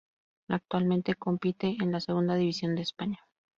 Actualmente compite en la Segunda División de España.